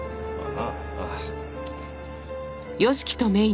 ああ。